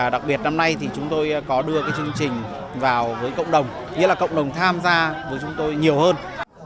đặc biệt năm nay thì chúng tôi có đưa cái chương trình vào với cộng đồng nghĩa là cộng đồng tham gia với chúng tôi nhiều hơn